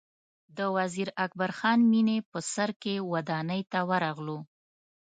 د وزیر اکبر خان مېنې په سر کې ودانۍ ته ورغلو.